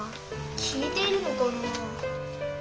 聞いてるのかな？